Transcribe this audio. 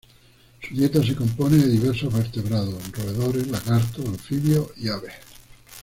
Su dieta se compone de diversos vertebrados: roedores, lagartos, anfibios y aves.